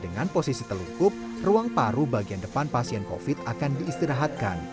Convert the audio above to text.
dengan posisi telungkup ruang paru bagian depan pasien covid akan diistirahatkan